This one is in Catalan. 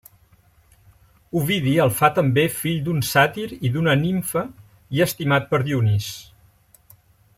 Ovidi el fa també fill d'un sàtir i d'una nimfa i estimat per Dionís.